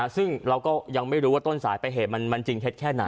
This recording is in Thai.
ซึ่งเราก็ยังไม่รู้ว่าต้นสายไปเหตุมันจริงเท็จแค่ไหน